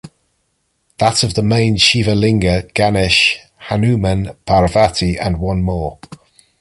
That of the main Shiva Linga, Ganesh, Hanuman, Parvati and one more.